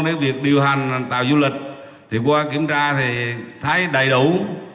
nếu việc điều hành tàu du lịch thì qua kiểm tra thì thấy đầy đủ